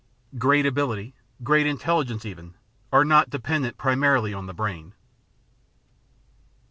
Great ability, great intelligence even, are not dependent primarily on the brain.